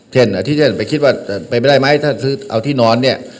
เช่นอาทิตย์เช่นไปคิดว่าไปไม่ได้ไหมถ้าซื้อเอาที่นอนเนี้ย